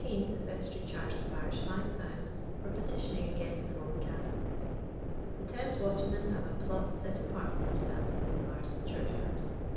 In 1813 the vestry charged the parish £5 for petitioning against the Roman Catholics. The Thames watermen have a plot set apart for themselves in St. Martin's Churchyard.